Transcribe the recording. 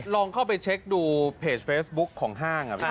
ลองเข้าไปเช็คดูเพจเฟซบุ๊คของห้าง